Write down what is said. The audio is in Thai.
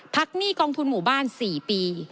หนี้กองทุนหมู่บ้าน๔ปี